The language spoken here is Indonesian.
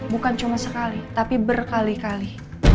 bukan cuma sekali tapi berkali kali